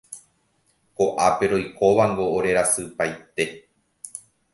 Ko'ápe roikóvango orerasypaite.